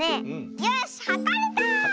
よしはかれた！